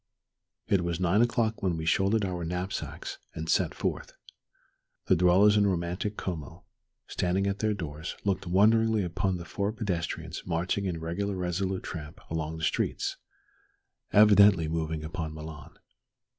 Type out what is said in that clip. It was nine o'clock when we shouldered our knapsacks and set forth. The dwellers in romantic Como, standing at their doors, looked wonderingly upon the four pedestrians marching in regular resolute tramp along the streets, evidently moving upon Milan.